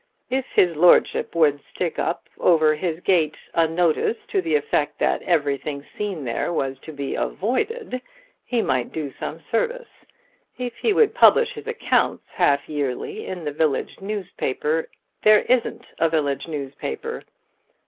If his lordship would stick up over his gate a notice to the effect that everything seen there was to be avoided, he might do some service. If he would publish his accounts half yearly in the village newspaper " "There isn't a village newspaper."